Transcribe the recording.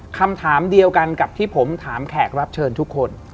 คำถามเดียวกันกับที่ผมถามแขกรับเชิญทุกคน